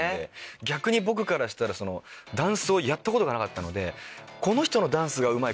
逆に僕からしたらダンスをやったことがなかったのでこの人のダンスがうまい